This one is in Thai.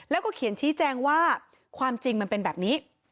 แล้วก็เขียนชี้แจงว่าความจริงมันเป็นแบบนี้